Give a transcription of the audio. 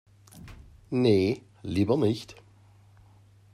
Nee, lieber nicht.